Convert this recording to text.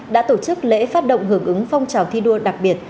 đã tổ chức lễ phát động hưởng ứng phong trào thi đua đặc biệt